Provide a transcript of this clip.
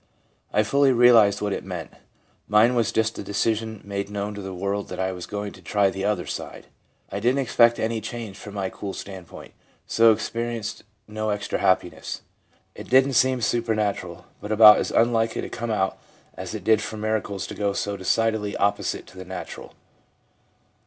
I fully realised what it meant. Mine was just a decision made known to the world that I was going to try the other side. I didn't expect any change, from my cool standpoint, so experienced no extra happiness. It didn't seem supernatural, but about as unlikely to come out as it did as for miracles to go so decidedly opposite to the natural.'